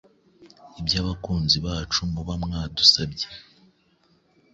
iby’abakunzi bacu muba mwadusabye.